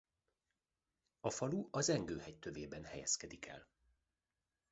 A falu a Zengő hegy tövében helyezkedik el.